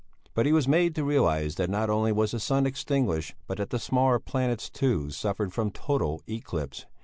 But he was made to realize that not only was the sun extinguished but that the smaller planets, too, suffered from total eclipse.